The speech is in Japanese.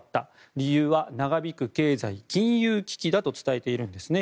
理由は長引く経済・金融危機だと伝えているんですね。